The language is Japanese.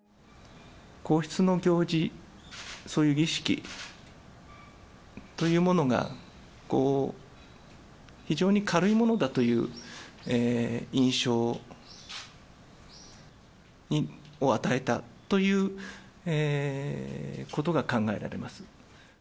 皇室の行事、そういう儀式というものが、非常に軽いものだという印象を与えたということが考えられます。